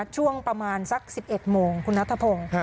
ช่วงประมาณสัก๑๑โมงคุณนัทพงศ์